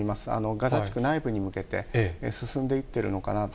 ガザ地区内部に向けて進んで行ってるのかなと。